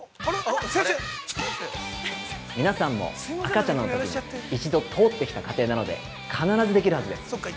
皆さんも、赤ちゃんのときに一度通ってきた過程なので、必ずできるはずです。